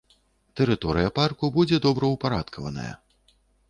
Тэрыторыя парку будзе добраўпарадкаваная.